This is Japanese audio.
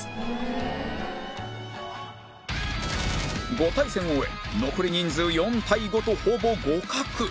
５対戦を終え残り人数４対５とほぼ互角